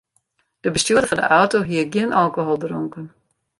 De bestjoerder fan de auto hie gjin alkohol dronken.